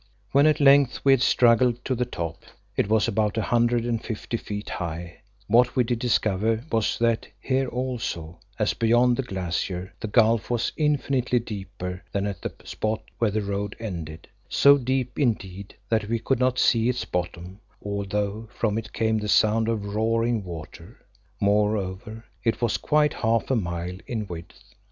When at length we had struggled to the top, it was about a hundred and fifty feet high; what we did discover was that, here also, as beyond the glacier, the gulf was infinitely deeper than at the spot where the road ended, so deep indeed that we could not see its bottom, although from it came the sound of roaring water. Moreover, it was quite half a mile in width.